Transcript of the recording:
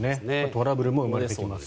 トラブルも生まれてきます。